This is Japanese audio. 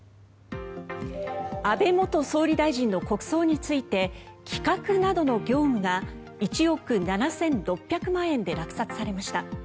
安倍元総理大臣の国葬について企画などの業務が１億７６００万円で落札されました。